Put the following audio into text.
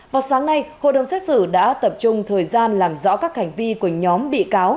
vào sáng nay hội đồng xét xử đã tập trung thời gian làm rõ các hành vi của nhóm bị cáo